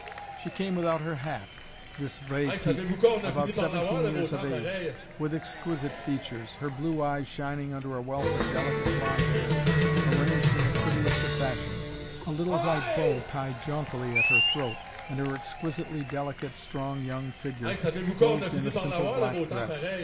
She came without her hat this "vrai type" about seventeen years of age with exquisite features, her blue eyes shining under a wealth of delicate blonde hair arranged in the prettiest of fashions a little white bow tied jauntily at her throat, and her exquisitely delicate, strong young figure clothed in a simple black dress.